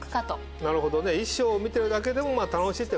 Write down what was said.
なるほどね衣装を見てるだけでも楽しいってことね。